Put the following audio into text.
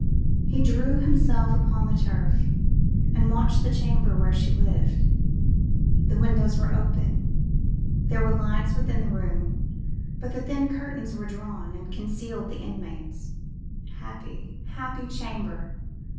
He threw himself upon the turf, and watched the chamber where she lived. The windows were open, there were lights within the room, but the thin curtains were drawn, and concealed the inmates. Happy, happy chamber!